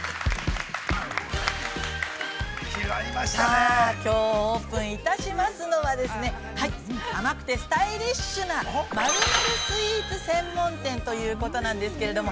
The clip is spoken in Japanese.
◆さあ、きょう、オープンいたしますのは、甘くてスタイリッシュな、○○スイーツ専門店ということなんですけども。